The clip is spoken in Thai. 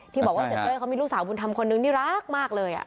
บอกว่าเสียเต้ยเขามีลูกสาวบุญธรรมคนนึงนี่รักมากเลย